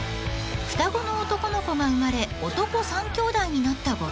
［双子の男の子が生まれ男三兄弟になった後藤家］